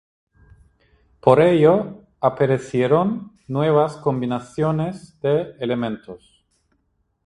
Por ello, aparecieron nuevas combinaciones de elementos.